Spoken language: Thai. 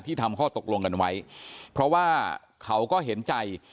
ทำข้อตกลงกันไว้เพราะว่าเขาก็เห็นใจ